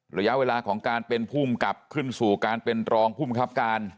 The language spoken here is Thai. ระยะเวลาของการเป็นภูมิกับขึ้นสู่การเป็นรองภูมิครับการ